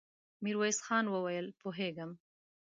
ميرويس خان وويل: پوهېږم.